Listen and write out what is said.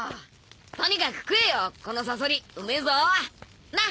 とにかく食えよこのサソリうめえぞなっ？